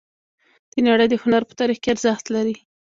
د نړۍ د هنر په تاریخ کې ارزښت لري